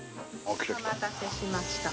お待たせしました。